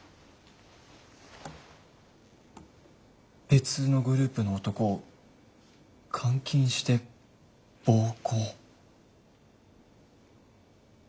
別のグループの男を監禁して暴行。